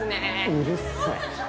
うるさい。